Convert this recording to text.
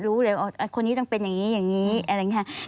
รู้เลยว่าคนนี้ต้องเป็นอย่างนี้อย่างนี้อะไรอย่างนี้